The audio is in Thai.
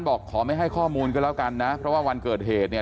บอกขอไม่ให้ข้อมูลก็แล้วกันนะเพราะว่าวันเกิดเหตุเนี่ย